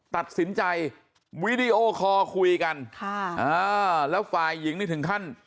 ตัดสินใจวีดีโอคอลคุยกันค่ะอ่าแล้วฝ่ายหญิงนี่ถึงขั้น